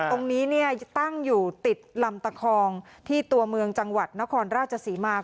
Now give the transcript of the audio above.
ตรงนี้เนี่ยตั้งอยู่ติดลำตะคองที่ตัวเมืองจังหวัดนครราชศรีมา